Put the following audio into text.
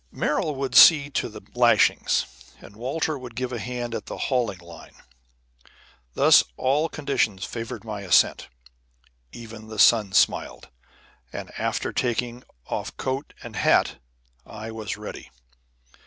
Merrill would see to the lashings, and Walter would give a hand at the hauling line. Thus all conditions favored my ascent; even the sun smiled, and after taking off coat and hat I was ready.